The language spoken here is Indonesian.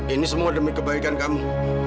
ini semua demi kebaikan kamu